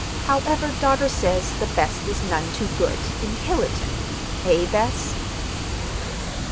However, daughter says the best is none too good—in Hillerton. Eh, Bess?"